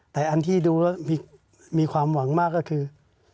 แต่อันที่ดูแล้วมีความหวังมากก็คือ